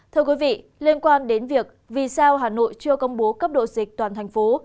thưa quý vị liên quan đến việc vì sao hà nội chưa công bố cấp độ dịch toàn thành phố